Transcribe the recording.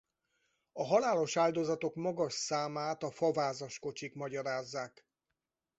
A halálos áldozatok magas számát a favázas kocsik magyarázzák.